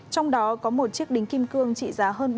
trong đó có một chiếc đính kim cương trị giá hơn